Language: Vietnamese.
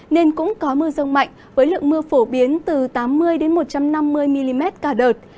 nên cũng có mưa rông mạnh với lượng mưa phổ biến từ tám mươi một trăm năm mươi mm cả đợt